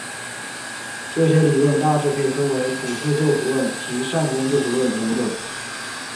这些理论大致可以分为普世救赎论及善功救赎论两种。